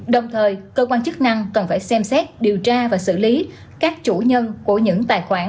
đồng thời cơ quan chức năng cần phải xem xét điều tra và xử lý các chủ nhân của những tài khoản